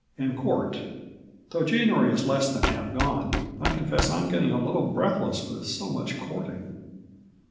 and court." Though January is less than half gone, I confess I am getting a little breathless with so much courting.